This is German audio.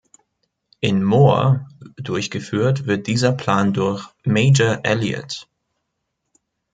In Moor durchgeführt wird dieser Plan durch Major Elliot.